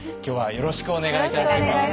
よろしくお願いします。